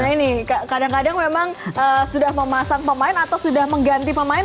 nah ini kadang kadang memang sudah memasang pemain atau sudah mengganti pemain